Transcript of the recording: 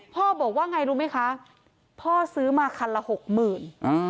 พ่อบอกว่าไงรู้ไหมคะพ่อซื้อมาคันละหกหมื่น